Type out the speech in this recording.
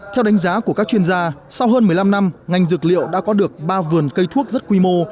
theo đánh giá của các chuyên gia sau hơn một mươi năm năm ngành dược liệu đã có được ba vườn cây thuốc rất quy mô